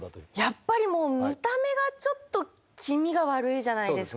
やっぱりもう見た目がちょっと気味が悪いじゃないですか。